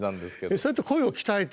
そうやって声を鍛えて。